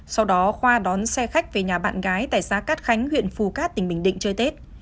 sau đó khoa đón xe khách về nhà bạn gái tại xã cát khánh huyện phù cát tỉnh bình định chơi tết